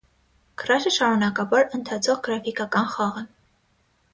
Քրաշը շարունակաբար ընթացող գրաֆիկական խաղ է։